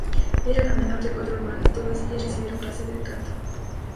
Era la menor de cuatro hermanas, todas ellas recibieron clases de canto.